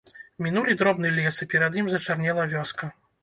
Мінулі дробны лес, і перад імі зачарнела вёска.